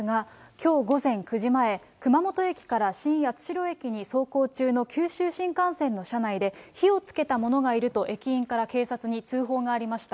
きょう午前９時前、熊本駅から新八代駅に走行中の九州新幹線の車内で、火をつけた者がいると駅員から警察に通報がありました。